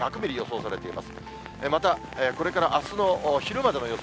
また、これからあすの昼までの予想